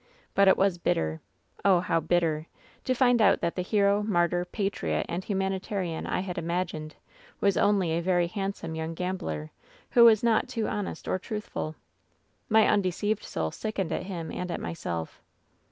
But it was bitter ! oh, how bitter ! to find out that the hero, martyr, patriot and humanitarian I had imagined, was only a very handsome young gambler^ who :was not too honest or truthful I "My undeceived soul sickened at him and at myself!